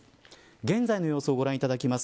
現在の様子をご覧いただきます。